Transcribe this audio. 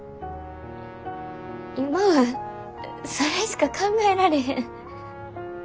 今はそれしか考えられへん。